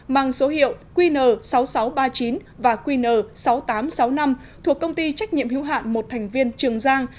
mang số hiệu qn sáu nghìn sáu trăm ba mươi chín và qn sáu nghìn tám trăm sáu mươi năm thuộc công ty trách nhiệm hữu hạn một thành viên trường giang